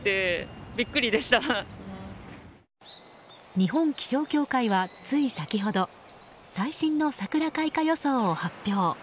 日本気象協会は、つい先ほど最新の桜開花予想を発表。